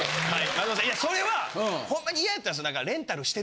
松本さんいやそれはホンマに嫌やったんです。